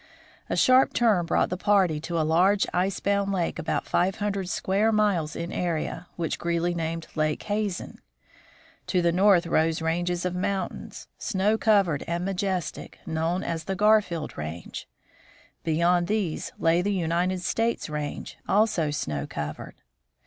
A sharp turn brought the party to a large icebound lake about five hundred square miles in area, which Greely named Lake Hazen. To the north rose ranges of moun tains, snow covered and majestic, known as the Garfield range; beyond these lay the United States range, also snow covered.